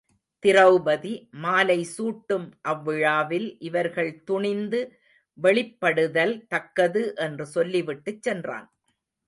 திரெளபதி மாலை சூட்டும் அவ் விழாவில் இவர்கள் துணிந்து வெளிப்படுதல் தக்கது என்று சொல்லிவிட்டுச் சென்றான்.